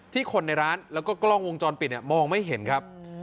คนในร้านแล้วก็กล้องวงจรปิดมองไม่เห็นครับ